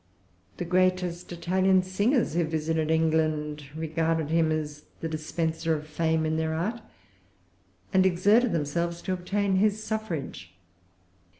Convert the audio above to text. The greatest Italian singers who visited England regarded him as the dispenser of fame in their art, and exerted themselves to obtain his suffrage.